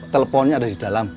teleponnya ada di dalam